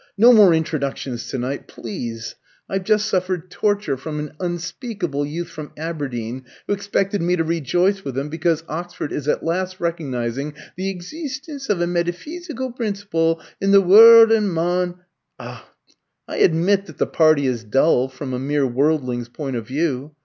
No more introductions to night, please. I've just suffered torture from an unspeakable youth from Aberdeen, who expected me to rejoice with him because Oxford is at last recognising the 'exeestence of a metapheesical principle in the wur r ld and mon '" "I admit that the party is dull, from a mere worldling's point of view.